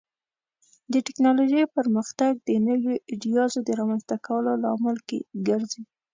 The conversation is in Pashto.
د ټکنالوژۍ پرمختګ د نوو ایډیازو د رامنځته کولو لامل ګرځي.